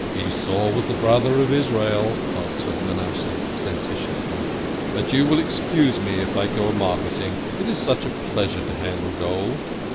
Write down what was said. " Esau was the brother of Israel," answered Manasseh sententiously. " But you will excuse me if I go a marketing, it is such a pleasure to handle gold."